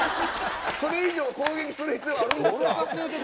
それ以上攻撃する必要あるんですか？